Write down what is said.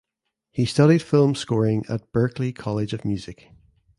He studied film scoring at Berklee College of Music.